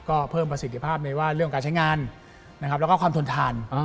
ก็เพิ่มประสิทธิภาพในเรื่องการใช้งานแล้วก็ความทนทาน